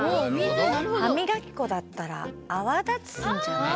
歯みがき粉だったらあわだつんじゃない？